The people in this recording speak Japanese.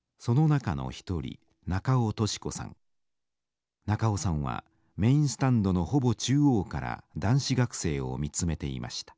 中尾さんはメインスタンドのほぼ中央から男子学生を見つめていました。